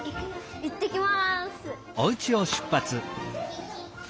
いってきます。